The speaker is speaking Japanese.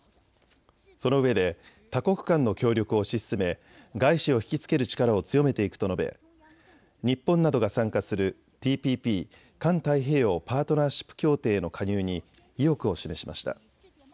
そのうえで多国間の協力を推し進め外資を引きつける力を強めていくと述べ、日本などが参加するＴＰＰ・環太平洋パートナーシップ協定への加入に意欲を示しました。